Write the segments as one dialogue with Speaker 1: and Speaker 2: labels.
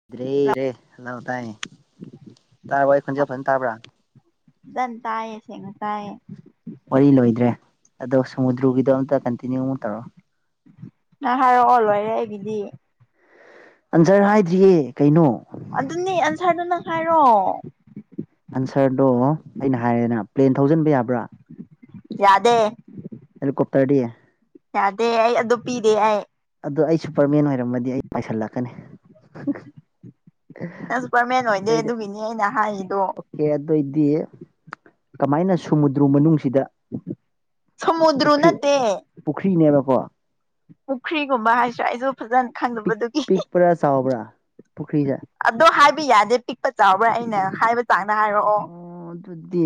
Speaker 1: [unintelligible] hello ꯇꯥꯏꯌꯦ ꯇꯥꯔꯕꯣ ꯑꯩ ꯈꯣꯟꯖꯦꯜ ꯐꯖꯅ ꯇꯥꯕ꯭ꯔꯥ
Speaker 2: ꯐꯖꯟ ꯇꯥꯏꯌꯦ ꯁꯦꯡꯅ ꯇꯥꯏꯌꯦ
Speaker 1: ꯋꯥꯔꯤ ꯂꯣꯏꯗ꯭ꯔꯦ ꯑꯗꯣ ꯁꯃꯨꯗ꯭ꯔꯨꯒꯤꯗꯣ ꯑꯝꯇ ꯀꯟꯇꯤꯅ꯭ꯌꯨ ꯑꯃꯨꯛ ꯇꯧꯔꯛꯑꯣ
Speaker 2: ꯅꯪ ꯍꯥꯢꯔꯛꯑꯣ ꯂꯣꯢꯔꯦ ꯑꯩꯒꯤꯗꯤ
Speaker 1: ꯑꯟꯁꯥꯔ ꯍꯥꯏꯗ꯭ꯔꯤꯌꯦ ꯀꯩꯅꯣ
Speaker 2: ꯑꯗꯨꯅꯦ ꯑꯟꯁꯥꯔꯗꯨ ꯅꯪ ꯍꯥꯏꯔꯣ
Speaker 1: ꯑꯟꯁꯥꯔꯗꯣ ꯑꯩꯅ ꯍꯥꯏꯔꯦꯗꯅ ꯄ꯭ꯂꯦꯟ ꯊꯧꯖꯟꯕ ꯌꯥꯕ꯭ꯔꯥ
Speaker 2: ꯌꯥꯗꯦ
Speaker 1: ꯍꯦꯂꯤꯀꯨꯞꯇꯥꯔꯗꯤ
Speaker 2: ꯌꯥꯗꯦ ꯑꯩ ꯑꯗꯨ ꯄꯤꯗꯦ ꯑꯩ
Speaker 1: ꯑꯗꯣ ꯑꯩ ꯁꯨꯄꯔꯃꯦꯟ ꯑꯣꯏꯔꯝꯃꯗꯤ ꯑꯩ ꯄꯥꯏꯁꯜꯂꯛꯀꯅꯤ
Speaker 2: ꯅꯪ ꯁꯨꯄꯔꯃꯦꯟ ꯑꯣꯏꯗꯦ ꯑꯗꯨꯒꯤꯅꯤ ꯑꯩꯅ ꯍꯥꯏꯔꯤꯗꯣ
Speaker 1: ꯑꯦ ꯑꯗꯣꯏꯗꯤ ꯀꯃꯥꯏꯅ ꯁꯨꯃꯨꯗ꯭ꯔ ꯃꯅꯨꯡꯁꯤꯗ
Speaker 2: ꯁꯃꯨꯗꯨꯔ
Speaker 1: ꯄꯨꯈ꯭ꯔꯤ
Speaker 2: ꯅꯠꯇꯦ
Speaker 1: ꯄꯨꯈ꯭ꯔꯤꯅꯦꯕꯀꯣ
Speaker 2: ꯄꯨꯈ꯭ꯔꯤꯒꯨꯝꯕ ꯍꯥꯏꯁꯤꯔ ꯑꯩꯁꯨ ꯐꯖꯅ ꯈꯪꯗꯕꯗꯨꯒꯤ
Speaker 1: ꯄꯨꯔꯥ ꯆꯥꯎꯕ꯭ꯔꯥ ꯄꯨꯈ꯭ꯔꯤꯁꯦ
Speaker 2: ꯑꯗꯣ ꯍꯥꯏꯕ ꯌꯥꯗꯦ ꯄꯤꯛꯄ ꯆꯥꯎꯕ꯭ꯔꯥ ꯑꯩꯅ ꯍꯥꯏꯕ ꯆꯥꯡꯗ ꯍꯥꯏꯔꯛꯑꯣ
Speaker 1: ꯑꯣ ꯑꯗꯨꯗꯤ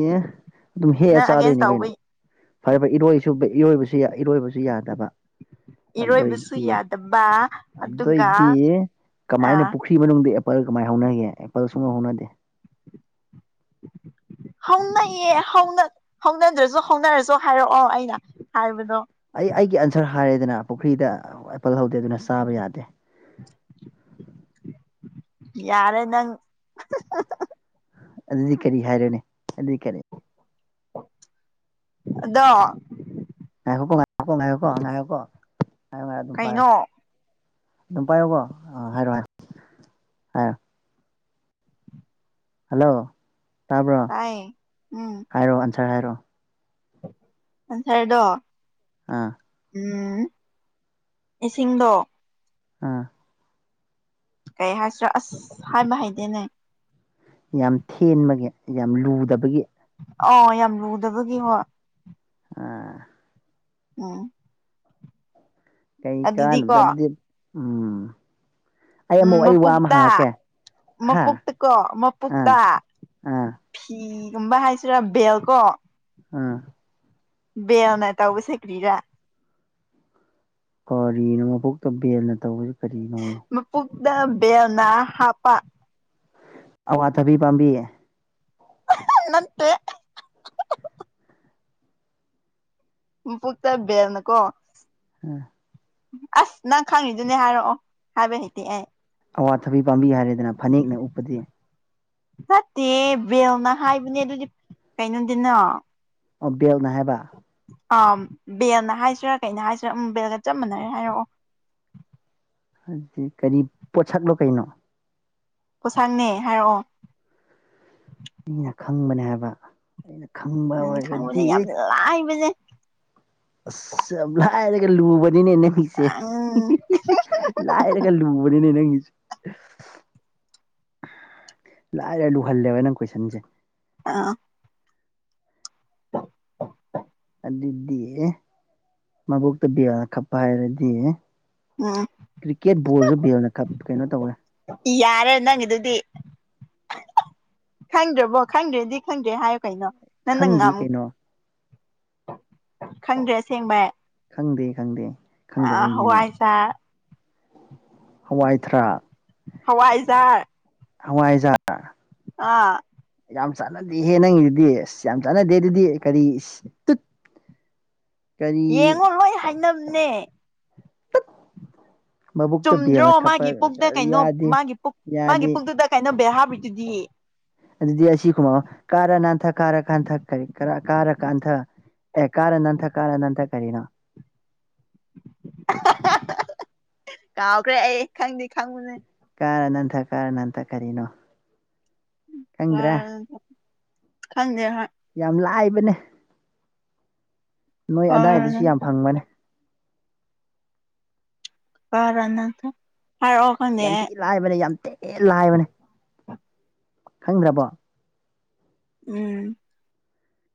Speaker 1: ꯑꯗꯨ ꯍꯦꯛꯑ
Speaker 2: ꯅꯪ ꯑꯒꯦꯟꯁ
Speaker 1: ꯆꯥꯗꯣꯏꯅꯤ
Speaker 2: ꯇꯧꯕ
Speaker 1: ꯀꯩꯅꯣ ꯐꯔꯦ ꯐꯔꯦ ꯏꯔꯣꯏꯁꯨ ꯏꯔꯣꯏꯕꯁꯨ ꯏꯔꯣꯏꯕꯁꯨ ꯌꯥꯗꯕ
Speaker 2: ꯏꯔꯣꯏꯕꯁꯨ
Speaker 1: ꯑꯗꯣꯏꯗꯤ
Speaker 2: ꯌꯥꯗꯕ
Speaker 1: ꯑꯗꯣꯏꯗꯤ
Speaker 2: ꯑꯗꯨꯒ
Speaker 1: ꯀꯃꯥꯏꯅ
Speaker 2: ꯑꯥ
Speaker 1: ꯄꯨꯈ꯭ꯔꯤ ꯃꯅꯨꯡꯗ ꯑꯦꯄꯜ ꯀꯃꯥꯏꯟ ꯍꯧꯅꯒꯦ ꯑꯦꯄꯜ ꯁꯨꯛ ꯍꯧꯅꯗꯦ
Speaker 2: [inaudible] ꯍꯧꯅꯩꯌꯦ ꯍꯧꯅ ꯍꯧꯅꯗ꯭ꯔꯁꯨ ꯍꯧꯅꯔꯁꯨ ꯍꯥꯏꯔꯛꯑꯣ ꯑꯩꯅ ꯍꯥꯏꯕꯗꯣ
Speaker 1: ꯑꯩ ꯑꯩꯒꯤ ꯑꯟꯁꯔ ꯍꯥꯏꯔꯦꯗꯅ ꯄꯨꯈ꯭ꯔꯤꯗ ꯑꯦꯄꯜ ꯍꯧꯗꯦ ꯑꯗꯨꯅ ꯆꯥꯕ ꯌꯥꯗꯦ
Speaker 2: ꯌꯥꯔꯦ ꯅꯪ
Speaker 1: ꯑꯗꯨꯗꯤ ꯀꯔꯤ ꯍꯥꯏꯔꯣꯅꯦ ꯑꯗꯨꯗꯤ ꯀꯔꯤ
Speaker 2: ꯑꯗꯣ
Speaker 1: ꯉꯥꯏꯈꯣꯀꯣ ꯉꯥꯏꯌꯨꯀꯣ ꯉꯥꯏꯌꯨꯀꯣ ꯉꯥꯏꯌꯨꯀꯣ ꯉꯥꯏꯌꯣ ꯉꯥꯏꯌꯣ ꯑꯗꯨꯝ ꯄꯥꯏꯌꯣ
Speaker 2: ꯀꯩꯅꯣ
Speaker 1: ꯑꯗꯨꯝ ꯄꯥꯏꯌꯣꯀꯣ ꯑꯥ ꯍꯥꯏꯔꯣ ꯍꯥꯏꯔꯣ ꯍꯥꯏꯔꯣ ꯍꯜꯂꯣ ꯇꯥꯕ꯭ꯔꯣ
Speaker 2: ꯇꯥꯏꯌꯦ
Speaker 1: ꯍꯥꯏꯔꯣ ꯑꯟꯁꯔ ꯍꯥꯏꯔꯣ
Speaker 2: ꯑꯟꯁ꯭ꯔꯗꯣ
Speaker 1: ꯑꯥ
Speaker 2: ꯎꯝ ꯏꯁꯤꯡꯗꯣ
Speaker 1: ꯑꯥ
Speaker 2: ꯀꯩ ꯍꯥꯏꯁꯤꯔ ꯑꯁ ꯍꯥꯏꯕ ꯍꯩꯇꯦꯅꯦ
Speaker 1: ꯌꯥꯝ ꯊꯦꯟꯕꯒꯤ ꯌꯥꯝ ꯂꯨꯗꯕꯒꯤ
Speaker 2: ꯑꯣ ꯌꯥꯝ ꯂꯨꯗꯕꯒꯤ ꯍꯥ
Speaker 1: ꯑꯥ
Speaker 2: ꯎꯝ
Speaker 1: ꯀꯩ ꯀꯥꯟꯅꯗ
Speaker 2: ꯑꯗꯨꯗꯤꯀꯣ
Speaker 1: ꯑꯗꯨꯗꯤ ꯎꯝ ꯑꯩ
Speaker 2: ꯎꯝ
Speaker 1: ꯑꯃꯨꯛ ꯑꯩ ꯋꯥ ꯑꯃ
Speaker 2: ꯃꯄꯨꯛꯇ
Speaker 1: ꯍꯪꯉꯛꯀꯦ ꯍꯥ
Speaker 2: ꯃꯄꯨꯛꯇꯀꯣ
Speaker 1: ꯑꯥ
Speaker 2: ꯃꯄꯨꯛꯇ
Speaker 1: ꯑꯥ
Speaker 2: ꯐꯤꯒꯨꯝꯕ ꯍꯥꯏꯁꯤꯔ ꯕꯦꯜ ꯀꯣ
Speaker 1: ꯑꯥ
Speaker 2: ꯕꯦꯜꯅ ꯇꯩꯕꯁꯤ ꯀꯔꯤꯔ
Speaker 1: ꯀꯔꯤꯅꯣ ꯃꯕꯨꯛꯇ ꯕꯦꯜꯅ ꯇꯧꯕꯁꯤ ꯀꯔꯤꯅꯣꯌꯦ
Speaker 2: ꯃꯄꯨꯛꯇ ꯕꯦꯜꯅ ꯍꯥꯞꯄ
Speaker 1: ꯑꯋꯥꯊꯕꯤ ꯄꯥꯝꯕꯤ
Speaker 2: ꯅꯠꯇꯦ ꯃꯄꯨꯛꯇ ꯕꯦꯜꯅꯀꯣ
Speaker 1: ꯑꯥ
Speaker 2: ꯑꯁ ꯅꯪ ꯈꯪꯉꯤꯗꯨꯅꯦ ꯍꯥꯏꯔꯛꯑꯣ ꯍꯥꯏꯕ ꯍꯩꯇꯦ ꯑꯩ
Speaker 1: ꯑꯋꯥꯊꯕꯤ ꯄꯥꯝꯕꯤ ꯍꯥꯏꯔꯦꯗꯅ ꯐꯥꯅꯦꯛꯅ ꯎꯞꯄꯗꯤ
Speaker 2: ꯆꯠꯇꯦ ꯕꯦꯜꯅ ꯍꯥꯏꯕꯅꯦ ꯑꯗꯨꯗꯤ ꯀꯩꯅꯣꯗꯤꯅꯣ
Speaker 1: ꯑꯣ ꯕꯦꯜꯅ ꯍꯥꯏꯕ
Speaker 2: ꯑ ꯕꯦꯜꯅ ꯍꯥꯏꯁꯤꯔꯥ ꯀꯩꯅ ꯍꯥꯏꯁꯤꯔꯥ ꯎꯝ ꯕꯦꯜꯒ ꯆꯞ ꯃꯅꯔꯦ ꯍꯥꯏꯔꯛꯑꯣ
Speaker 1: ꯑꯗꯨꯗꯤ ꯀꯔꯤ ꯄꯣꯠꯁꯛꯂꯣ ꯀꯩꯅꯣ
Speaker 2: ꯄꯣꯁꯛꯅꯦ ꯍꯥꯏꯔꯛꯑꯣ
Speaker 1: ꯑꯩꯅ ꯈꯪꯕꯅꯦ ꯍꯥꯏꯕ ꯑꯩꯅ ꯈꯪꯕ
Speaker 2: ꯎꯝ
Speaker 1: ꯑꯣꯏꯔꯗꯤ
Speaker 2: ꯈꯪꯕꯅꯦ ꯌꯥꯝ ꯂꯥꯢꯕꯅꯦ
Speaker 1: ꯑꯁ ꯌꯥꯝ ꯂꯥꯏꯔꯒ ꯂꯨꯕꯅꯤꯅꯦ ꯅꯪꯒꯤꯁꯦ
Speaker 2: ꯎꯝ
Speaker 1: [unintelligible] ꯂꯥꯏꯔꯒ ꯂꯨꯕꯅꯤꯅꯦ ꯅꯪꯒꯤꯁꯨ ꯂꯥꯏꯔ ꯂꯨꯍꯜꯂꯦꯕ ꯅꯪ ꯀꯣꯏꯁꯟꯁꯦ
Speaker 2: ꯑ
Speaker 1: ꯑꯗꯨꯗꯤ ꯃꯕꯨꯣꯛꯇ ꯕꯤꯌꯥꯅ ꯀꯞꯄ ꯍꯥꯏꯔꯗꯤ
Speaker 2: ꯎꯝ
Speaker 1: ꯀ꯭ꯔꯤꯛꯀꯦꯠ ꯕꯣꯜꯁꯨ ꯕꯦꯜꯅ ꯈꯠ ꯀꯩꯅꯣ ꯇꯧꯋꯦ
Speaker 2: ꯌꯥꯔꯦ ꯅꯪꯒꯤꯗꯨꯗꯤ ꯈꯪꯗ꯭ꯔꯕꯣ ꯈꯪꯗ꯭ꯔꯦꯗꯤ ꯈꯪꯗ꯭ꯔꯦ ꯍꯥꯏꯌꯣ ꯀꯩꯅꯣ ꯅꯟꯅ
Speaker 1: ꯈꯪꯗꯦ
Speaker 2: ꯉꯝ
Speaker 1: ꯀꯩꯅꯣ
Speaker 2: ꯈꯪꯗ꯭ꯔꯦ ꯑꯁꯦꯡꯕꯩ
Speaker 1: ꯈꯪꯗꯦ ꯈꯪꯗꯦ
Speaker 2: ꯑ
Speaker 1: ꯈꯪꯗꯕꯩꯅꯤꯅꯦ
Speaker 2: ꯍꯋꯥꯏꯆꯥꯔ
Speaker 1: ꯍꯋꯥꯏꯊꯔꯥꯛ
Speaker 2: ꯍꯋꯥꯏꯖꯥꯔ
Speaker 1: ꯍꯋꯥꯥꯏꯖꯥꯔ
Speaker 2: ꯑꯥ
Speaker 1: ꯌꯥꯝ ꯆꯥꯟꯅꯗꯦꯍꯦ ꯅꯪꯉꯗꯨꯗꯤ ꯑꯁ ꯌꯥꯝ ꯆꯥꯟꯅꯗꯦ ꯑꯗꯨꯗꯤ ꯀꯔꯤ ꯢꯁ ꯇꯨꯠ ꯀꯔꯤ
Speaker 2: ꯌꯦꯡꯉꯣ ꯂꯣꯏ ꯍꯥꯏꯅꯝꯅꯦ
Speaker 1: ꯇꯠ
Speaker 2: ꯆꯨꯝꯗ꯭ꯔꯣ ꯃꯥꯒꯤ ꯄꯨꯗ ꯀꯩꯅꯣ
Speaker 1: ꯌꯥꯗꯦ
Speaker 2: ꯃꯥꯒꯤ ꯄꯨ ꯃꯥꯒꯤ
Speaker 1: ꯌꯥꯗꯦ
Speaker 2: ꯄꯨꯛꯇꯨꯗ ꯀꯩꯅꯣ ꯕꯦꯜ ꯍꯥꯕꯤꯗꯨꯗꯤ
Speaker 1: ꯑꯗꯨꯗꯤ ꯑꯁꯤ ꯀꯨꯝꯃꯑꯣ ꯀꯥꯔ ꯅꯥꯟꯊꯛ ꯀꯥꯔ ꯀꯥꯟꯊ ꯀꯔꯤ ꯀꯥꯔ ꯀꯥꯟꯊ ꯑꯦ ꯀꯥꯔ ꯅꯥꯟꯊ ꯀꯥꯔꯅꯥꯟꯊ ꯀꯔꯤꯅꯣ
Speaker 2: [unintelligible] ꯀꯥꯎꯈ꯭ꯔꯦ ꯑꯩ ꯈꯪꯗꯦ ꯈꯪꯕꯅꯦ
Speaker 1: ꯀꯥꯔ ꯅꯟꯊ ꯀꯥꯔ ꯅꯟꯊ ꯀꯔꯤꯅꯣ ꯈꯪꯗ꯭ꯔꯦ
Speaker 2: ꯀꯥꯔ ꯅꯥꯟꯊ ꯈꯪꯗꯦ ꯍꯥꯏ
Speaker 1: ꯌꯥꯝ ꯂꯥꯢꯕꯅꯦ ꯅꯣꯏ ꯑꯗꯥꯏꯗꯁꯨ ꯌꯥꯝ ꯐꯪꯕꯅꯦ
Speaker 2: ꯀꯔꯅꯠꯇ ꯍꯥꯢꯔꯛꯑꯣ
Speaker 1: ꯌꯥꯝ ꯊꯤ ꯂꯥꯏꯕꯅꯦ ꯌꯥꯝ ꯊꯤ ꯂꯥꯏꯕꯅꯦ ꯈꯪꯗ꯭ꯔꯕꯣ
Speaker 2: ꯎꯝ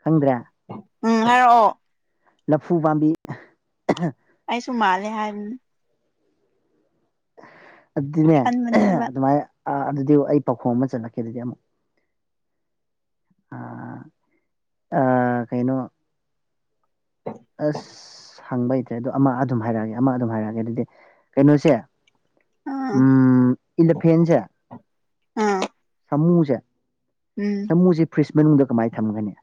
Speaker 1: ꯈꯪꯗ꯭ꯔꯦ
Speaker 2: ꯎꯝ ꯍꯥꯏꯔꯑꯣ
Speaker 1: ꯂꯐꯨ ꯄꯥꯝꯕꯤ
Speaker 2: ꯑꯩꯁꯨꯨꯝ ꯃꯥꯂꯦ ꯍꯥꯏꯅꯤ
Speaker 1: ꯑꯗꯨꯅꯦ
Speaker 2: ꯈꯟꯕꯅꯦꯕ
Speaker 1: ꯑꯗꯨꯃꯥꯏꯅ ꯑ ꯑꯗꯨꯗꯤ ꯑꯩ ꯄꯥꯎꯈꯣꯡ ꯑꯃ ꯆꯠꯂꯛꯀꯦ ꯑꯗꯨꯗꯤ ꯑꯃꯨꯛ ꯑ ꯑ ꯀꯩꯅꯣ ꯑꯁ ꯍꯪꯕ ꯍꯩꯇ꯭ꯔꯦ ꯑꯗꯣ ꯑꯃ ꯑꯗꯨꯝ ꯍꯥꯏꯔꯛꯑꯒꯦ ꯑꯃ ꯑꯗꯨꯝ ꯍꯥꯏꯔꯛꯑꯒꯦ ꯑꯗꯨꯗꯤ ꯀꯩꯅꯣꯁꯦ ꯎꯝ ꯏꯂꯤꯐꯦꯟꯁꯦ
Speaker 2: ꯎꯝ
Speaker 1: ꯃꯨꯖꯦ
Speaker 2: ꯎꯝ
Speaker 1: ꯁꯃꯨꯖꯦ ꯐ꯭ꯔꯤꯁ ꯃꯅꯨꯡꯗ ꯀꯃꯥꯏ ꯊꯝꯒꯅꯤ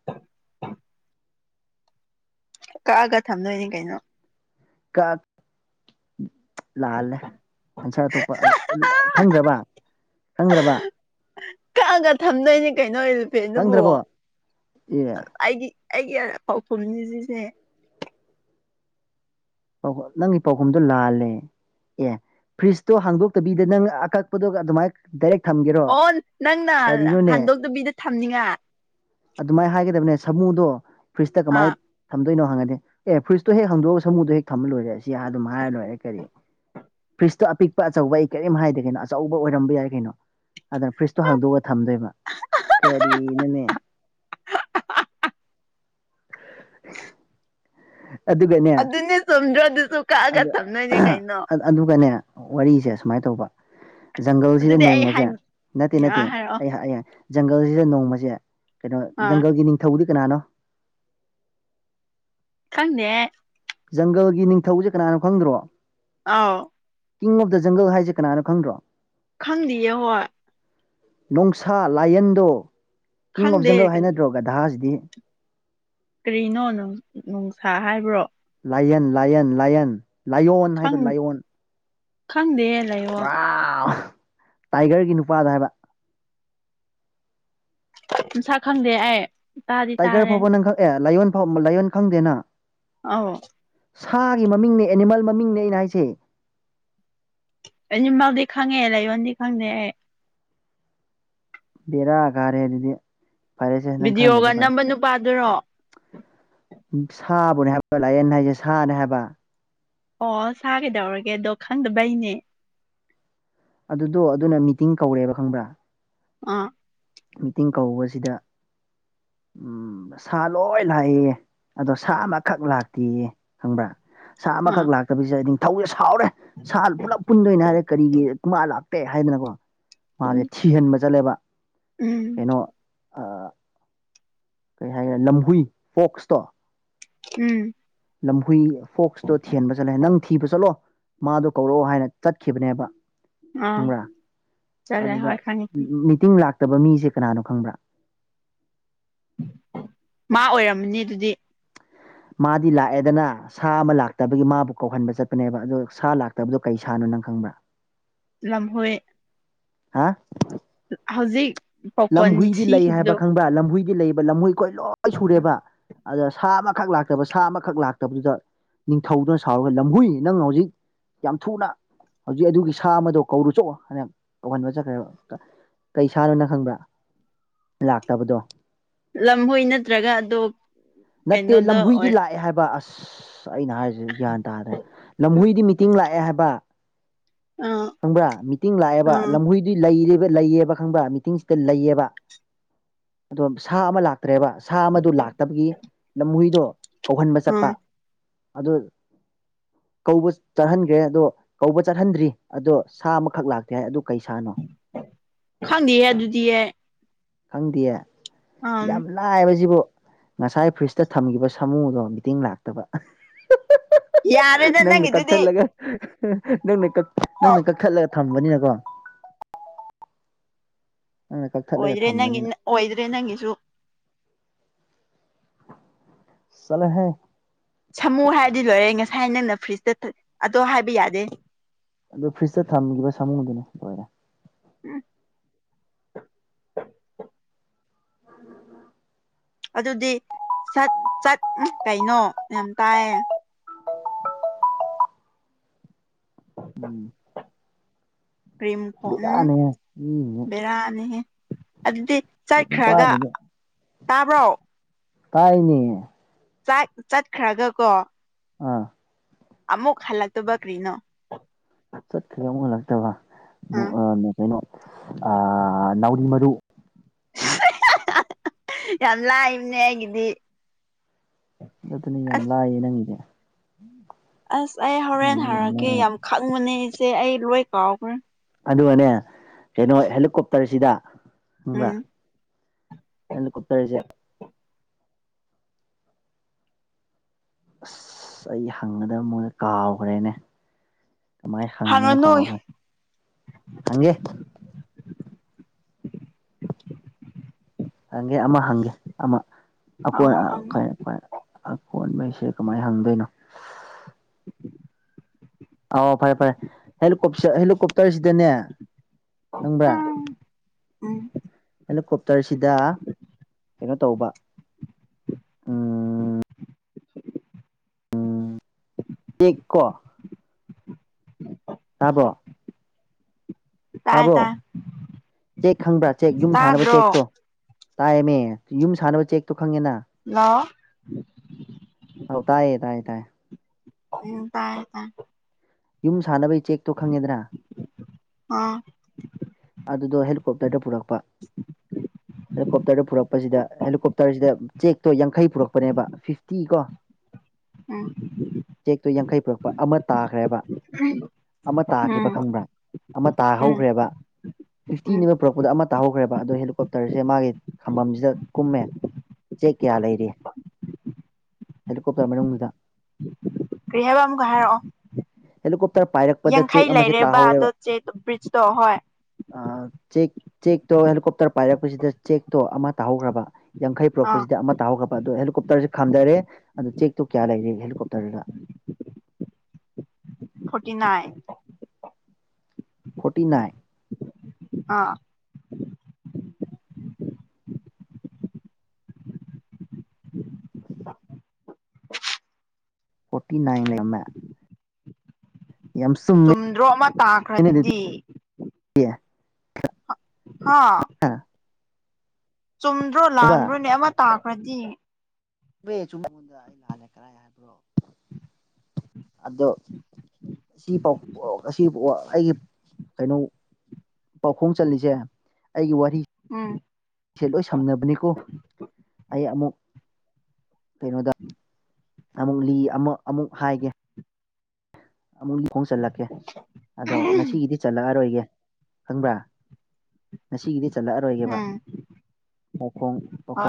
Speaker 2: ꯀꯛꯑꯒ ꯊꯝꯗꯣꯏꯅꯤ ꯀꯩꯅꯣ
Speaker 1: ꯀ ꯂꯥꯜꯂꯦ ꯑꯟꯁꯥ ꯑꯇꯣꯞꯄ ꯈꯪꯗ꯭ꯔꯕ ꯈꯪꯗ꯭ꯔꯕ
Speaker 2: ꯀꯛꯑꯒ ꯊꯝꯗꯣꯏꯅꯦ ꯀꯩꯅꯣ ꯏꯂꯤꯐꯦꯟꯗꯨꯕꯨ
Speaker 1: ꯈꯪꯗ꯭ꯔꯕꯣ ꯑꯦ
Speaker 2: ꯑꯩꯒꯤ ꯑꯩꯒꯤ ꯄꯥꯎꯈꯨꯝ ꯖꯤ ꯁꯤꯁꯤꯅꯦ
Speaker 1: ꯅꯪꯒꯤ ꯄꯥꯎꯈꯨꯝꯗꯣ ꯂꯥꯜꯂꯦ ꯑꯦ ꯐ꯭ꯔꯤꯖꯇꯣ ꯍꯥꯡꯗꯣꯛꯇꯕꯤꯗ ꯅꯪ ꯑꯀꯛꯄꯗꯣꯒ ꯑꯗꯨꯃꯥꯏ ꯗꯔꯦꯛ ꯊꯝꯒꯦꯔꯣ
Speaker 2: ꯑꯣ ꯅꯪꯅ ꯍꯥꯥꯟꯗꯣꯛꯇꯕꯤꯗ ꯊꯝꯅꯤꯡꯉ
Speaker 1: ꯑꯗꯨꯃꯥꯏ ꯍꯥꯏꯒꯗꯝꯅꯦ ꯁꯃꯨꯗꯣ ꯐ꯭ꯔꯤꯖꯇ ꯀꯃꯥꯏ
Speaker 2: ꯑꯥ
Speaker 1: ꯊꯝꯗꯣꯏꯅꯣ ꯍꯪꯉꯗꯤ ꯑꯦ ꯐꯨꯔꯤꯖꯇꯣ ꯍꯦꯛ ꯍꯥꯡꯗꯣꯛꯑ ꯁꯃꯨꯗꯣ ꯍꯦꯛ ꯊꯝꯃ ꯂꯣꯏꯔꯦ ꯁꯤ ꯍꯥ ꯑꯗꯨꯝ ꯍꯥꯏꯔ ꯂꯣꯏꯔꯦ ꯀꯔꯤ ꯐ꯭ꯔꯤꯖꯇꯣ ꯑꯄꯤꯛꯄ ꯑꯆꯧꯕ ꯑꯩ ꯀꯔꯤꯝ ꯍꯥꯏꯗꯦ ꯀꯩꯅꯣ ꯑꯆꯧꯕ ꯑꯣꯏꯔꯝꯕ ꯌꯥꯏ ꯀꯩꯅꯣ ꯑꯗꯨꯅ ꯐ꯭ꯔꯤꯖꯇꯣ ꯍꯥꯡꯗꯣꯛꯑꯒ ꯊꯝꯗꯣꯏꯕ ꯀꯔꯤꯅꯣꯅꯦ ꯑꯗꯨꯒꯅꯦ
Speaker 2: ꯑꯗꯨꯅꯦ ꯆꯨꯝꯗ꯭ꯔꯣ ꯑꯗꯨꯁꯨ ꯀꯛꯑꯒ
Speaker 1: ꯑꯗꯨ
Speaker 2: ꯊꯝꯗꯣꯏꯅꯦ ꯀꯩꯅꯣ
Speaker 1: ꯑꯗꯨꯒꯅꯦ ꯋꯥꯔꯤꯁꯦ ꯁꯨꯃꯥꯏ ꯇꯧꯕ ꯖꯪꯒꯜꯖꯤꯗ
Speaker 2: ꯑꯗꯨꯗꯤ ꯑꯩ ꯍꯥꯏ
Speaker 1: ꯅꯣꯡꯃꯖꯦ ꯅꯠꯇꯦ
Speaker 2: ꯑꯥ
Speaker 1: ꯅꯠꯇꯦ
Speaker 2: ꯍꯥꯏꯔꯛꯑꯣ
Speaker 1: ꯑꯩ ꯍꯥ ꯖꯪꯒꯜꯖꯤꯗ ꯅꯣꯡꯃꯖꯦ ꯀꯩꯅꯣ
Speaker 2: ꯑꯥ
Speaker 1: ꯖꯪꯒꯜꯒꯤ ꯅꯤꯡꯊꯧꯗꯤ ꯀꯅꯥꯅꯣ
Speaker 2: ꯈꯪꯗꯦ
Speaker 1: ꯖꯪꯒꯜꯒꯤ ꯅꯤꯡꯊꯧꯖꯦ ꯀꯅꯥꯅꯣ ꯈꯪꯗ꯭ꯔꯣ
Speaker 2: ꯑꯥꯎ
Speaker 1: ꯀꯤꯡ ꯑꯣꯐ ꯗ ꯖꯪꯒꯜ ꯍꯥꯏꯁꯦ ꯀꯅꯥꯅꯣ ꯈꯪꯗ꯭ꯔꯣ
Speaker 2: ꯈꯪꯗꯤꯌꯦ ꯍꯣꯏ
Speaker 1: ꯅꯣꯡꯁꯥ ꯂꯥꯏꯌꯟꯗꯣ ꯀꯤꯡ ꯑꯣꯐ
Speaker 2: ꯈꯪꯗꯦ
Speaker 1: ꯖꯪꯒꯜ ꯍꯥꯏꯅꯗ꯭ꯔꯣ ꯒꯙꯥ ꯖꯤꯗꯤ
Speaker 2: ꯀ꯭ꯔꯤꯅꯣ ꯅꯪ ꯅꯨꯡꯁꯥ ꯍꯥꯏꯕ꯭ꯔꯣ
Speaker 1: ꯂꯥꯏꯌꯟ ꯂꯥꯏꯌꯟ ꯂꯥꯏꯌꯟ ꯂꯥꯏꯌꯣꯟ ꯍꯥꯏꯗꯣ ꯂꯥꯏꯌꯣꯟ
Speaker 2: ꯈꯪꯗꯦꯍꯦ
Speaker 1: ꯋꯥ ꯇꯥꯏꯒꯔꯒꯤ ꯅꯨꯄꯥꯗ ꯍꯥꯏꯕ
Speaker 2: ꯃꯁꯛ ꯈꯪꯗꯦ ꯑꯩ ꯇꯥꯗꯤ
Speaker 1: ꯇꯥꯏꯒꯔ
Speaker 2: ꯇꯥꯔꯦ
Speaker 1: ꯐꯥꯎꯕ ꯅꯪ ꯈꯪ ꯑꯦ ꯂꯥꯏꯌꯣꯟ ꯐꯥꯎ ꯂꯥꯏꯌꯣꯟ ꯈꯪꯗꯦ ꯅꯪ
Speaker 2: ꯑꯧ
Speaker 1: ꯁꯥꯒꯤ ꯃꯃꯤꯡꯅꯦ ꯑꯦꯅꯤꯃꯦꯜ ꯃꯃꯤꯡꯅꯦ ꯑꯩꯅ ꯍꯥꯏꯁꯦ
Speaker 2: ꯑꯦꯅꯤꯃꯜꯗꯤ ꯈꯪꯉꯦ ꯂꯩꯥꯏꯌꯣꯟꯗꯤ ꯈꯪꯗꯦ ꯑꯩ
Speaker 1: ꯕꯦꯔꯥ ꯀꯥꯔꯦ ꯑꯗꯨꯗꯤ ꯐꯔꯦꯁꯦ ꯅꯪ ꯈꯪꯗ꯭ꯔꯗꯤ
Speaker 2: ꯚꯤꯗꯤꯑꯣꯒ
Speaker 1: ꯐꯔꯦ
Speaker 2: ꯅꯝꯕ ꯅꯨꯄꯥꯗꯨꯔꯣ
Speaker 1: ꯎ ꯁꯥꯕꯨꯅꯦ ꯍꯥꯏꯕ ꯂꯥꯏꯌꯟ ꯍꯥꯏꯖꯦ ꯁꯥꯅꯦ ꯍꯥꯏꯕ
Speaker 2: ꯑꯣ ꯁꯥ ꯀꯩꯗꯧꯔꯒꯦ ꯑꯗꯣ ꯈꯪꯗꯕꯩꯅꯦ
Speaker 1: ꯑꯗꯨꯗꯣ ꯑꯗꯨꯅ ꯃꯤꯇꯤꯡ ꯀꯧꯔꯦꯕ ꯈꯪꯕ꯭ꯔꯥ
Speaker 2: ꯑ
Speaker 1: ꯃꯤꯇꯤꯡ ꯀꯧꯕꯁꯤꯗ ꯎꯝ ꯁꯥ ꯂꯣꯏ ꯂꯥꯛꯑꯦꯌꯦ ꯑꯗꯣ ꯁꯥ ꯑꯃꯈꯛ ꯂꯥꯛꯇꯦꯌꯦ ꯈꯪꯕ꯭ꯔꯥ ꯁꯥ ꯑꯃꯈꯛ
Speaker 2: ꯑꯥ
Speaker 1: ꯂꯥꯛꯇꯕꯤꯖꯤꯗ ꯅꯤꯡꯊꯧꯖꯦ ꯁꯥꯎꯔꯦ ꯁꯥ ꯄꯨꯂꯞ ꯄꯨꯟꯗꯣꯏꯅꯦ ꯍꯥꯏꯔꯦ ꯀꯔꯤꯒꯤ ꯃꯥ ꯂꯥꯛ ꯇꯦ ꯍꯥꯏꯗꯅꯀꯣ ꯃꯥꯖꯦ
Speaker 2: ꯎꯝ
Speaker 1: ꯊꯤꯍꯟꯕ ꯆꯠꯂꯦꯕ
Speaker 2: ꯎꯝ
Speaker 1: ꯀꯩꯅꯣ ꯑ ꯀꯩ ꯍꯥꯏꯒ꯭ꯔꯦ ꯂꯝꯍꯨꯏ ꯐꯣꯛꯁꯇꯣ
Speaker 2: ꯎꯝ
Speaker 1: ꯂꯝꯍꯨꯏ ꯐꯣꯛꯁꯇꯣ ꯊꯤꯍꯟꯕ ꯆꯠꯂꯦ ꯅꯪ ꯊꯤꯕ ꯆꯠꯂꯣ ꯃꯥꯗꯨ ꯀꯧꯔꯛꯑꯣ ꯍꯥꯏꯅ ꯆꯠꯈꯤꯕꯅꯦꯕ
Speaker 2: ꯑꯥ
Speaker 1: ꯈꯪꯕ꯭ꯔꯥ
Speaker 2: ꯆꯠꯂꯦ
Speaker 1: ꯑꯗꯨꯗ
Speaker 2: ꯍꯣꯏ ꯈꯪꯉꯦ
Speaker 1: ꯃꯤꯇꯤꯡ ꯂꯥꯛꯇꯕ ꯃꯤꯁꯦ ꯀꯅꯥꯅꯣ ꯈꯪꯕ꯭ꯔꯥ
Speaker 2: ꯃꯥ ꯑꯣꯏꯔꯝꯃꯅꯤ ꯑꯗꯨꯗꯤ
Speaker 1: ꯃꯥꯗꯤ ꯂꯥꯛꯑꯦꯗꯅ ꯁꯥ ꯑꯃ ꯂꯥꯛꯇꯕꯒꯤ ꯃꯥꯕꯨ ꯀꯧꯍꯟꯕ ꯆꯠꯄꯅꯦꯕ ꯑꯗꯣ ꯁꯥ ꯂꯥꯛꯇꯕꯗꯣ ꯀꯩ ꯁꯥꯅꯣ ꯅꯪ ꯈꯪꯕ꯭ꯔꯥ
Speaker 2: ꯂꯝꯍꯨꯏ
Speaker 1: ꯍꯥ
Speaker 2: ꯍꯧꯖꯤꯛ ꯄꯥꯎꯈꯣꯟ
Speaker 1: ꯂꯝꯍꯨꯏꯗꯤ ꯂꯩ ꯍꯥꯏꯕ
Speaker 2: ꯁꯤꯈꯤꯕꯗꯣ
Speaker 1: ꯈꯪꯕ꯭ꯔꯥ ꯂꯝꯍꯨꯏꯗꯤ ꯂꯩꯕ ꯂꯝꯍꯨꯏ ꯈꯣꯏꯂꯣꯏ ꯁꯨꯔꯦꯕ ꯑꯗ ꯁꯥ ꯑꯃꯈꯛ ꯂꯥꯛꯇꯕ ꯁꯥ ꯑꯃꯈꯛ ꯂꯥꯛꯇꯕꯗꯨꯗ ꯅꯤꯡꯊꯧꯗꯨꯅ ꯁꯥꯎꯔꯒ ꯂꯝꯍꯨꯏ ꯅꯪ ꯍꯧꯖꯤꯛ ꯌꯥꯝ ꯊꯨꯅ ꯍꯧꯖꯤꯛ ꯑꯗꯨꯒꯤ ꯁꯥ ꯑꯃꯗꯣ ꯀꯧꯔꯨ ꯆꯣ ꯍꯥꯏꯅ ꯀꯧꯍꯟꯕ ꯆꯠꯈ꯭ꯔꯦꯕ ꯀꯩ ꯁꯥꯅꯣ ꯅꯪ ꯈꯪꯕ꯭ꯔꯥ ꯂꯥꯛꯇꯕꯗꯣ
Speaker 2: ꯂꯝꯍꯣꯏ ꯅꯠꯇ꯭ꯔꯒ ꯑꯗꯣ
Speaker 1: ꯅꯠꯇꯦ
Speaker 2: ꯀꯩꯅꯣꯗꯣ
Speaker 1: ꯂꯝꯍꯨꯏꯗꯤ
Speaker 2: ꯑꯣꯏ
Speaker 1: ꯂꯥꯛꯑꯦ ꯍꯥꯏꯕ ꯑꯁ ꯑꯩꯅ ꯍꯥꯏꯔꯤꯁꯦ ꯒ꯭ꯌꯥꯟ ꯇꯥꯗ꯭ꯔꯦ ꯂꯝꯍꯨꯏꯗꯤ ꯃꯤꯇꯤꯡ ꯂꯥꯛꯑꯦ ꯍꯥꯏꯕ
Speaker 2: ꯑ
Speaker 1: ꯈꯪꯕ꯭ꯔꯥ ꯃꯤꯇꯤꯡ ꯂꯥꯛꯑꯦꯕ ꯂꯝꯍꯨꯗꯤ ꯂꯩꯔꯒ ꯂꯩꯌꯦꯕ ꯈꯪꯕ꯭ꯔꯥ ꯃꯤꯇꯤꯡ ꯗ ꯂꯩꯌꯦꯕ ꯑꯗꯣ ꯁꯥ ꯑꯃ ꯂꯥꯛ ꯇ꯭ꯔꯦꯕ ꯁꯥ ꯑꯃꯗꯨ ꯂꯥꯛꯇꯕꯒꯤ ꯂꯝꯍꯨꯏꯗꯣ ꯀꯧꯍꯟꯕ ꯆꯠꯄ
Speaker 2: ꯑꯥ
Speaker 1: ꯑꯗꯣ ꯀꯧꯕ ꯆꯠꯍꯟꯈ꯭ꯔꯦ ꯑꯗꯣ ꯀꯧꯕ ꯆꯠꯍꯟꯗ꯭ꯔꯤ ꯑꯗꯣ ꯁꯥ ꯑꯃꯈꯛ ꯂꯥꯛꯇꯦ ꯍꯥꯏ ꯑꯗꯨ ꯀꯩ ꯁꯥꯅꯣ
Speaker 2: ꯈꯪꯗꯦꯍꯦ ꯑꯗꯨꯗꯤ ꯑꯩ
Speaker 1: ꯈꯪꯗꯦꯌꯦ
Speaker 2: ꯑꯝ
Speaker 1: ꯌꯥꯝ ꯂꯥꯏꯕꯁꯤꯕꯨ ꯉꯁꯥꯏ ꯐ꯭ꯔꯤꯖꯇ ꯊꯝꯈꯤꯕ ꯁꯥꯃꯨꯗꯣ ꯃꯤꯇꯤꯡ ꯂꯥꯛꯇꯕ
Speaker 2: ꯌꯥꯔꯦꯗ
Speaker 1: ꯅꯪꯅ
Speaker 2: ꯅꯪꯒꯤꯗꯨꯗꯤ
Speaker 1: ꯀꯛꯊꯠꯂꯒ ꯅꯪꯅ ꯀꯛ
Speaker 2: ꯑꯣ
Speaker 1: ꯅꯪꯅ ꯀꯛꯊꯠꯂꯒ ꯊꯝꯕꯅꯤꯅꯀꯣ ꯅꯪꯅ ꯀꯛꯊꯠꯂꯒ
Speaker 2: ꯑꯣꯏꯗ꯭ꯔꯦ ꯅꯪꯒꯤ
Speaker 1: ꯊꯝꯕꯅꯤꯅ
Speaker 2: ꯑꯣꯏꯗ꯭ꯔꯦ ꯅꯪꯒꯤꯁꯨ
Speaker 1: ꯆꯠꯂꯣꯍꯦ
Speaker 2: ꯁꯥꯃꯨ ꯍꯥꯏꯔꯗꯤ ꯂꯣꯏꯔꯦ ꯉꯁꯥꯏ ꯅꯪꯅ ꯐ꯭ꯔꯤꯖꯇ ꯑꯗꯣ ꯍꯥꯏꯕ ꯌꯥꯗꯦ
Speaker 1: ꯑꯗꯨ ꯐ꯭ꯔꯤꯖꯇ ꯊꯝꯈꯤꯕ ꯁꯥꯃꯨꯨꯗꯨꯅꯦ ꯂꯣꯏꯔꯦ
Speaker 2: ꯎꯝ
Speaker 1: [inaudible]
Speaker 2: ꯑꯗꯨꯗꯤ ꯁꯠ ꯆꯠ ꯀꯩꯅꯣ ꯌꯥꯝ ꯇꯥꯏꯌꯦ
Speaker 1: ꯎꯝ
Speaker 2: ꯄꯔꯤꯝ ꯀꯣꯎꯝ
Speaker 1: ꯕꯦꯔꯥꯅꯦꯍꯦ ꯃꯤꯁꯤꯡꯁꯦ
Speaker 2: ꯕꯦꯔꯥ ꯅꯤꯍꯦ ꯑꯗꯨꯗꯤ
Speaker 1: ꯐꯣꯟ
Speaker 2: ꯆꯠꯈ꯭ꯔꯒ
Speaker 1: ꯄꯥꯏꯗꯗꯤ
Speaker 2: ꯇꯥꯕ꯭ꯔꯣ
Speaker 1: ꯇꯥꯏꯅꯦ
Speaker 2: ꯆꯥꯥꯛ ꯆꯠꯈ꯭ꯔꯒ ꯀꯣ
Speaker 1: ꯑꯥ
Speaker 2: ꯑꯃꯨꯛ ꯍꯜꯂꯛꯛꯇꯕ ꯀ꯭ꯔꯤꯅꯣ
Speaker 1: ꯆꯠꯈ꯭ꯔꯒ ꯑꯃꯨꯛ ꯍꯜꯂꯛꯇꯕ
Speaker 2: ꯑꯥ
Speaker 1: ꯑ ꯀꯩꯅꯣ ꯑ ꯅꯥꯎꯔꯤ ꯃꯔꯨ
Speaker 2: ꯌꯥꯝ ꯂꯥꯏꯕꯅꯦ ꯑꯩꯒꯤꯗꯤ
Speaker 1: ꯑꯗꯨꯅꯤ ꯌꯥꯝ
Speaker 2: ꯑꯁ
Speaker 1: ꯂꯥꯏꯌꯦ ꯅꯪꯒꯤꯗꯤ
Speaker 2: ꯑꯁ ꯑꯩ ꯍꯣꯔꯦꯟ ꯍꯥꯏꯔꯛꯀꯦ ꯌꯥꯝ ꯈꯪꯕꯅꯦ ꯏꯆꯦ ꯑꯩ ꯂꯣꯏ ꯀꯥꯎꯈ꯭ꯔꯦ
Speaker 1: ꯑꯗꯨꯒꯅꯦ ꯀꯩꯅꯣ ꯍꯦꯂꯤꯀꯣꯞꯇꯔꯁꯤꯗ ꯈꯪꯕ꯭ꯔꯥ
Speaker 2: ꯎꯝ
Speaker 1: ꯍꯦꯂꯤꯀꯣꯞꯇꯔ ꯖꯦ ꯑꯁ ꯑꯩ ꯍꯪꯒꯗꯕ ꯃꯣꯏꯗ ꯀꯥꯎꯈ꯭ꯔꯦꯅꯦ ꯀꯃꯥꯏ ꯍꯪꯕꯅꯣ
Speaker 2: ꯍꯪꯉꯅꯨ
Speaker 1: ꯀꯥꯎꯈ꯭ꯔꯦ ꯍꯪꯒꯦ ꯍꯪꯒꯦ ꯑꯃ ꯍꯪꯒꯦ ꯑꯃ ꯑꯥꯀꯣꯏ
Speaker 2: ꯍꯪꯉꯣ ꯍꯪꯉꯣ
Speaker 1: ꯑꯥꯀꯣꯏ ꯑꯀꯣꯟꯕꯩꯁꯦ ꯀꯃꯥꯏ ꯍꯪꯗꯣꯏꯅꯣ ꯑꯣ ꯐꯔꯦ ꯐꯔꯦ ꯍꯦꯂꯤꯀꯣꯞ ꯍꯦꯂꯤꯀꯣꯞꯇꯔꯁꯤꯗꯅꯦ ꯈꯪꯕ꯭ꯔꯥ
Speaker 2: ꯎꯝ ꯎꯝ
Speaker 1: ꯍꯦꯂꯤꯀꯣꯞꯇꯔꯁꯤꯗ ꯀꯩꯅꯣ ꯇꯧꯕ ꯎꯝ ꯏ [unintelligible] ꯀꯣ ꯇꯥꯕ꯭ꯔꯣ
Speaker 2: ꯇꯥꯏ
Speaker 1: ꯇꯥꯕ꯭ꯔꯣ
Speaker 2: ꯇꯥꯏ
Speaker 1: ꯆꯦꯛ ꯈꯪꯕ꯭ꯔꯥ ꯆꯦꯛ ꯌꯨꯝ ꯁꯥꯟꯅꯕ
Speaker 2: ꯇꯥꯗ꯭ꯔꯣ
Speaker 1: ꯆꯦꯛꯇꯣ ꯇꯥꯏꯌꯦꯃꯤ ꯌꯨꯝ ꯁꯥꯟꯅꯕ ꯆꯦꯛꯇꯣ ꯈꯪꯉꯤꯅ
Speaker 2: ꯅꯥ [inaudible]
Speaker 1: ꯍꯧ ꯇꯥꯏꯌꯦ ꯇꯥꯏ ꯇꯥꯏꯌꯦ
Speaker 2: ꯈꯣꯏꯔꯣꯡ ꯇꯔꯕ [unintelligible]
Speaker 1: ꯌꯨꯝ ꯁꯥꯟꯅꯕꯩ ꯆꯦꯛꯇꯣ ꯈꯪꯉꯦꯗꯅ
Speaker 2: ꯑꯥ
Speaker 1: ꯑꯗꯨꯗꯣ ꯍꯦꯂꯤꯀꯣꯞꯇꯔꯗ ꯄꯨꯔꯛꯄ ꯍꯦꯂꯤꯀꯣꯞꯇꯔꯗ ꯄꯨꯔꯛꯄꯁꯤꯗ ꯍꯦꯂꯤꯀꯣꯞꯇꯔꯁꯤꯗ ꯆꯦꯛꯇꯣ ꯌꯥꯡꯈꯩ ꯄꯨꯔꯛꯄꯅꯦꯕ ꯐꯤꯐꯇꯤ ꯀꯣ
Speaker 2: [inaudible] ꯎꯝ
Speaker 1: ꯆꯦꯛꯇꯨ ꯌꯥꯡꯈꯩ ꯄꯨꯔꯛꯄ ꯑꯃ ꯇꯥꯈ꯭ꯔꯦꯕ ꯑꯃ
Speaker 2: ꯎꯝ
Speaker 1: ꯇꯥꯈꯤꯕ ꯈꯪꯕ꯭ꯔꯥ ꯑꯃ
Speaker 2: ꯎꯝ
Speaker 1: ꯇꯥꯍꯧꯈ꯭ꯔꯦꯕ
Speaker 2: ꯎꯝ
Speaker 1: ꯐꯤꯐꯇꯤꯅꯤꯕ ꯄꯨꯔꯛꯄꯗ ꯑꯃ ꯇꯥꯍꯧꯈ꯭ꯔꯦꯕ ꯑꯗꯣ ꯍꯦꯂꯤꯀꯣꯞꯇꯔꯁꯦ ꯃꯥꯒꯤ ꯈꯝꯕꯝꯁꯤꯗ ꯀꯨꯝꯃꯦ ꯆꯦꯛ ꯀꯌꯥ ꯂꯩꯔꯤ ꯍꯦꯂꯤꯀꯣꯞꯇꯔ ꯃꯅꯨꯡꯗꯨꯗ
Speaker 2: ꯀꯔꯤꯍꯥꯏꯕ ꯑꯃꯨꯛꯀ ꯍꯥꯏꯔꯛꯑꯣ
Speaker 1: ꯍꯦꯂꯤꯀꯣꯞꯇꯔ ꯄꯥꯏꯔꯛꯄꯗ ꯆꯦꯛ
Speaker 2: ꯌꯥꯡꯈꯩ
Speaker 1: ꯑꯃꯁꯦ
Speaker 2: ꯂꯩꯔꯦꯕ ꯑꯗꯣ
Speaker 1: ꯇꯥꯍꯧꯔꯦꯕ
Speaker 2: ꯆꯦ ꯕ꯭ꯔꯤꯖꯇꯣ ꯍꯣꯏ
Speaker 1: ꯆꯦꯛ ꯆꯦꯛꯇꯣ ꯍꯦꯂꯤꯀꯣꯞꯇꯔ ꯄꯥꯏꯔꯛꯄꯁꯤꯗ ꯆꯦꯛꯇꯣ ꯑꯃ ꯇꯥꯍꯧꯈ꯭ꯔꯕ ꯌꯥꯡꯈꯩ
Speaker 2: ꯑꯥ
Speaker 1: ꯄꯨꯔꯛꯄꯁꯤꯗ ꯑꯃ ꯇꯥꯍꯧꯒ꯭ꯔꯕ ꯑꯗꯣ ꯍꯦꯂꯤꯀꯣꯞꯇꯔꯁꯦ ꯈꯝꯗꯔꯦ ꯑꯗꯨ ꯆꯦꯛꯇꯨ ꯀꯌꯥ ꯂꯩꯔꯦ ꯍꯦꯂꯤꯀꯣꯞꯇꯔꯗꯨꯗ
Speaker 2: ꯐꯣꯔꯇꯤ ꯅꯥꯟ
Speaker 1: ꯐꯣꯔꯇꯤ ꯅꯥꯏꯟ
Speaker 2: ꯑꯥ
Speaker 1: ꯐꯣꯔꯇꯤꯅꯥꯏꯟꯂꯦꯝꯝꯃꯦ ꯆꯨꯝꯃꯦꯅꯦ
Speaker 2: ꯆꯨꯝꯗ꯭ꯔꯣ ꯑꯃ ꯇꯥꯈ꯭ꯔꯗꯨꯗꯤ
Speaker 1: ꯀ [unintelligible]
Speaker 2: ꯍꯥ ꯆꯨꯝꯗ꯭ꯔꯣ
Speaker 1: ꯀꯩꯕ
Speaker 2: ꯂꯥꯟꯕ꯭ꯔꯣꯅꯦ ꯑꯃ ꯇꯥꯈ꯭ꯔꯗꯤ
Speaker 1: ꯕ ꯆꯨꯝꯃꯦ ꯅꯉꯣꯟꯗ ꯑꯩ ꯂꯥꯜꯂꯦ ꯀꯔꯥꯏ ꯍꯥꯏꯕ꯭ꯔꯣ ꯑꯗꯣ ꯁꯤ ꯄꯥꯎ ꯑꯁꯤ ꯑꯩꯒꯤ ꯀꯩꯅꯣ ꯄꯥꯎꯈꯣꯡ ꯆꯂꯤꯁꯦ ꯑꯩꯒꯤ ꯋꯥꯔꯤ
Speaker 2: ꯎꯝ
Speaker 1: ꯑꯩꯁꯦ ꯂꯣꯏ ꯁꯝꯅꯕꯅꯤꯀꯣ ꯑꯩ ꯑꯃꯨꯛ ꯀꯩꯅꯣꯗ ꯑꯃꯨꯛ ꯂꯤ ꯑꯃ ꯑꯃꯨꯛ ꯍꯥꯏꯒꯦ ꯑꯗꯨꯝ ꯈꯣꯡ ꯆꯜꯂꯛꯀꯦ ꯑꯗꯣ ꯉꯁꯤꯒꯤꯗꯤ ꯆꯠꯂꯛꯑꯔꯣꯏꯒꯦ ꯈꯪꯕ꯭ꯔꯥ ꯉꯁꯤꯒꯤꯗꯤ ꯆꯠꯂꯛꯑꯔꯣꯏꯒꯦꯕ
Speaker 2: ꯎꯝ
Speaker 1: ꯑꯣ ꯈꯣꯡ
Speaker 2: ꯍꯣꯏ